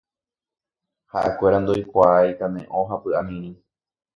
Ha'ekuéra ndoikuaái kane'õ ha py'amirĩ